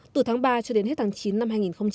từ tháng ba cho đến hết tháng chín năm hai nghìn hai mươi